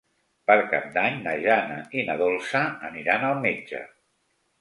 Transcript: Per Cap d'Any na Jana i na Dolça aniran al metge.